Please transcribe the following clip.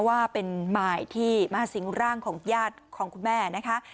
ว่าเป็นหมายที่มาสิงร่างของญาติของคุณแม่นะคะ